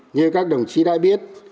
như các đồng chí đã biết